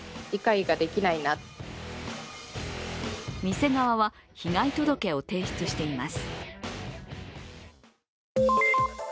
店側は被害届を提出しています。